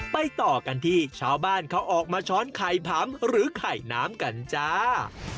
ต่อกันที่ชาวบ้านเขาออกมาช้อนไข่ผำหรือไข่น้ำกันจ้า